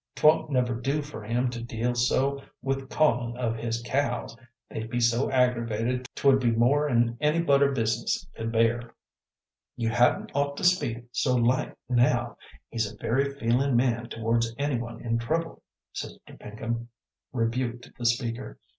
'T won't never do for him to deal so with callin' of his cows; they'd be so aggravated 't would be more 'n any butter business could bear." "You hadn't ought to speak so light now; he's a very feelin' man towards any one in trouble," Sister Pinkham rebuked the speaker.